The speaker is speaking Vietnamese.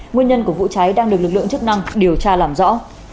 nguyên nhân của vụ cháy đang được lực lượng chức năng điều tra làm rõ